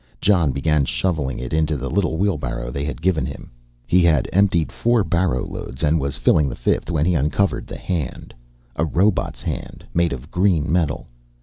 Jon began shoveling it into the little wheelbarrow they had given him. He had emptied four barrow loads and was filling the fifth when he uncovered the hand, a robot's hand made of green metal.